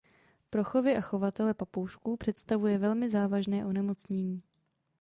Pro chovy a chovatele papoušků představuje velmi závažné onemocnění.